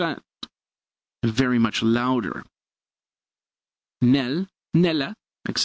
_ very much louder. _Nel, nella, etc.